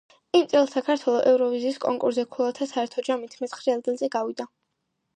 იმ წელს საქართველო ევროვიზიის კონკურსზე ქულათა საერთო ჯამით მეცხრე ადგილზე გავიდა.